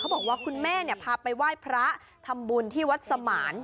บอกว่าคุณแม่พาไปไหว้พระทำบุญที่วัดสมาน